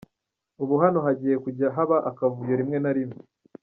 Ubu hano hagiye kujya haba akavuyo rimwe na rimwe.